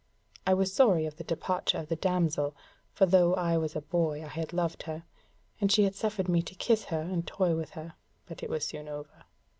I was sorry of the departure of the damsel; for though I was a boy I had loved her, and she had suffered me to kiss her and toy with her; but it was soon over.